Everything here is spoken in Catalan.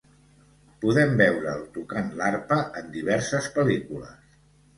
Podem veure'l tocant l'arpa en diverses pel·lícules.